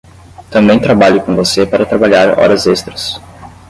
Também trabalhe com você para trabalhar horas extras.